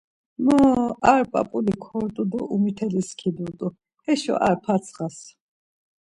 Moro... Ar p̌ap̌uli kort̆u do umiteli skidut̆u, heşo ar patsxas.